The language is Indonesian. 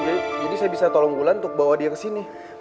jadi saya bisa tolong wulan untuk bawa dia ke sini